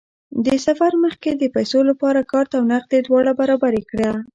د سفر مخکې د پیسو لپاره کارت او نغدې دواړه برابرې کړه.